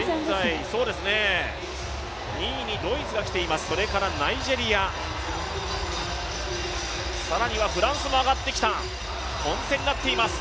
２位にドイツが来ています、それからナイジェリア、更にはフランスも上がってきた、混戦になっています。